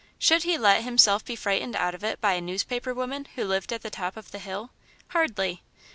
Should he let himself be frightened out of it by a newspaper woman who lived at the top of the hill? Hardly!